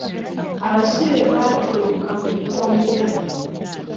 Abasibe baatoloka mu kkomera .